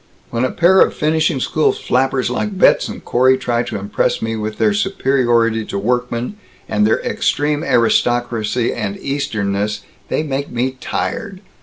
When a pair of finishing school flappers like Betz and Corey try to impress me with their superiority to workmen, and their extreme aristocracy and Easternness, they make me tired.